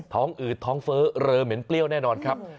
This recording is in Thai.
อืดท้องเฟ้อเรอเหม็นเปรี้ยวแน่นอนครับ